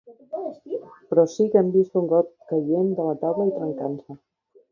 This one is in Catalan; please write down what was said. Però sí que hem vist un got caient de la taula i trencant-se.